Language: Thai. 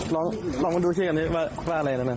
ลองมาดูเช่นกันว่าอะไรนะน่ะ